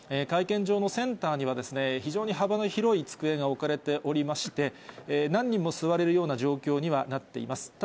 会見場のセンターには、非常に幅の広い机が置かれておりまして、何人も座れるような状況にはなっています。